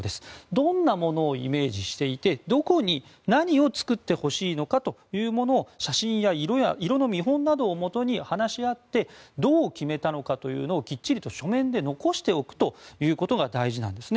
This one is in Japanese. どんなものをイメージしていてどこに何を作ってほしいのかを写真や色の見本などをもとに話し合ってどう決めたのかというのをきっちりと書面で残しておくというのが大事なんですね。